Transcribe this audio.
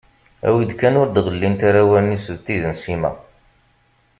Awi-d kan ur d-ɣellint ara wallen-is d tid n Sima.